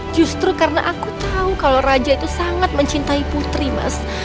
justru karena aku tahu kalau raja itu sangat mencintai putri mas